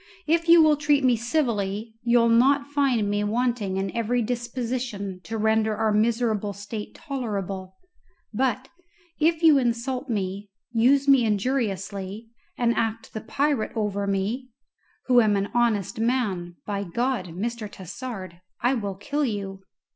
If you will treat me civilly you'll not find me wanting in every disposition to render our miserable state tolerable; but if you insult me, use me injuriously, and act the pirate over me, who am an honest man, by God, Mr. Tassard, I will kill you."